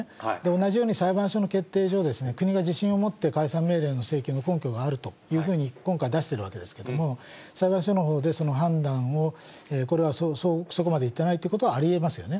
同じように裁判所の決定上、国が自信を持って解散命令の請求の根拠があるというふうに、今回、出しているわけですけれども、裁判所のほうでその判断を、これはそこまでいっていないということはありえますよね。